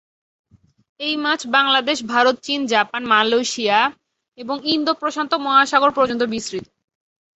এই মাছ বাংলাদেশ, ভারত, চীন, জাপান, মালয়েশিয়া এবং ইন্দো-প্রশান্ত মহাসাগর পর্যন্ত বিস্তৃত।